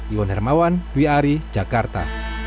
iwan hermawan wiari jakarta